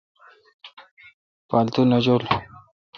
پاتو نہ جولو۔